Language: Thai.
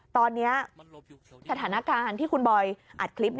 ตอนนี้สถานการณ์ที่คุณบอยอัดคลิป